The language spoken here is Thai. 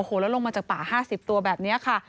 แล้วลงมาจากป่า๕๐ตัวแบบนี้ค่ะ